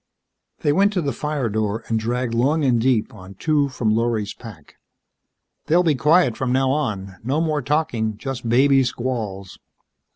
They went to the fire door and dragged long and deep on two from Lorry's pack. "They'll be quiet from now on. No more talking just baby squalls."